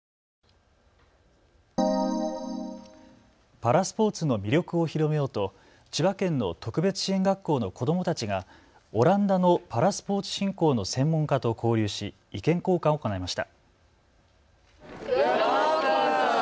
パラスポーツの魅力を広めようと千葉県の特別支援学校の子どもたちがオランダのパラスポーツ振興の専門家と交流し意見交換を行いました。